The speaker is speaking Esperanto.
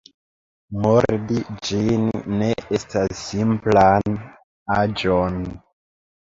Murdi ĝin ne estas simplan aĵon.